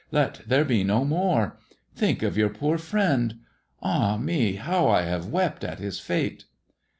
Let there be no more. Think of your poor friend. Ah me I how I have wept at his fate